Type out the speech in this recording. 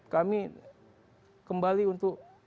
kami kembali untuk